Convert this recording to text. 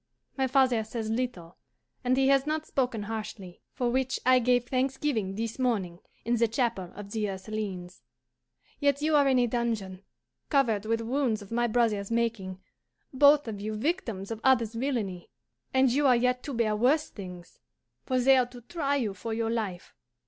My father says little, and he has not spoken harshly; for which I gave thanksgiving this morning in the chapel of the Ursulines. Yet you are in a dungeon, covered with wounds of my brother's making, both of you victims of others' villainy, and you are yet to bear worse things, for they are to try you for your life.